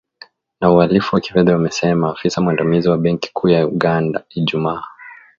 Na uhalifu wa kifedha amesema afisa mwandamizi wa benki kuu ya Uganda, Ijumaa.